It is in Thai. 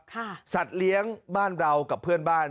สัตว์เลี้ยงบ้านเรากับเพื่อนบ้าน